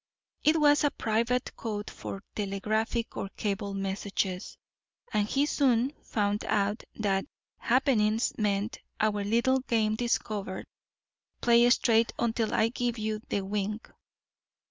It was a private code for telegraphic or cable messages, and he soon found that "Happenings" meant: "Our little game discovered; play straight until I give you the wink."